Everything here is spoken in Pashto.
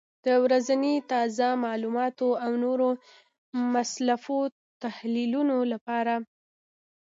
د ورځني تازه معلوماتو او نورو مفصلو تحلیلونو لپاره،